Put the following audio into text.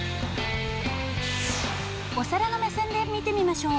お皿の目線で見てみましょう。